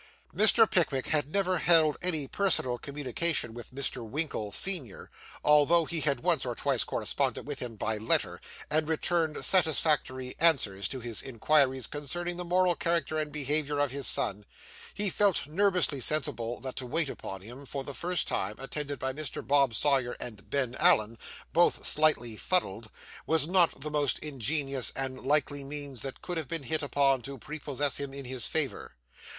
Mr. Pickwick had never held any personal communication with Mr. Winkle, senior, although he had once or twice corresponded with him by letter, and returned satisfactory answers to his inquiries concerning the moral character and behaviour of his son; he felt nervously sensible that to wait upon him, for the first time, attended by Bob Sawyer and Ben Allen, both slightly fuddled, was not the most ingenious and likely means that could have been hit upon to prepossess him in his favour.